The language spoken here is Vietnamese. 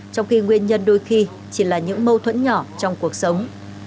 trong khi nguyên nhân đôi khi chỉ là những mâu thuẫn nhỏ trong cuộc sống